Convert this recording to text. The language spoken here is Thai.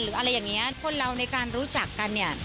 หรืออะไรอย่างนี้คนเราในการรู้จักกันเนี่ย